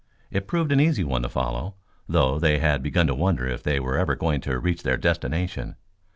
It proved an easy one to follow, though they had begun to wonder if they ever were going to reach their destination.